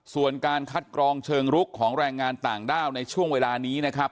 ส่วนการคัดกรองเชิงลุกของแรงงานต่างด้าวในช่วงเวลานี้นะครับ